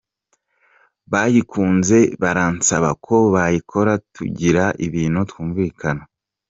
bayikunze baransaba ko bayikora tugira ibintu twumvikana.